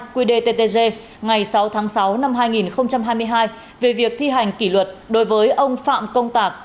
quy đề ttg ngày sáu tháng sáu năm hai nghìn hai mươi hai về việc thi hành kỷ luật đối với ông phạm công tạc